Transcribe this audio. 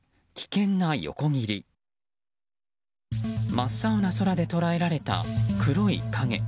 真っ青な空で捉えられた黒い影。